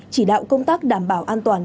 chỉ đạo công tác đảm bảo an toàn